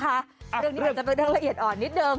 เรื่องนี้อาจจะเป็นเรื่องละเอียดอ่อนนิดนึง